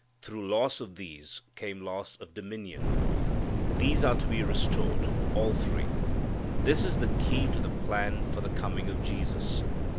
Through loss of these came loss of dominion. These are to be restored all three. This is the key to the plan for the coming of Jesus.